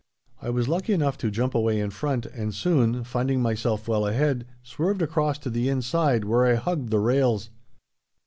I was lucky enough to jump away in front, and, soon finding myself well ahead, swerved across to the inside, where I hugged the rails.